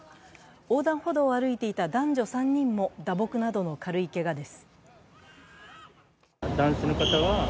横断歩道を歩いていた男女３人も打撲などの軽いけがです。